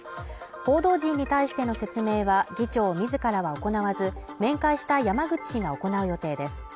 報道陣に対しての説明は議長みずからは行わず面会した山口氏が行う予定です